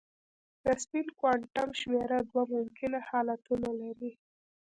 د سپین کوانټم شمېره دوه ممکنه حالتونه لري.